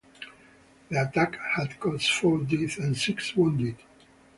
The attack had cost four dead and six wounded.